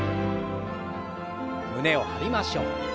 胸を張りましょう。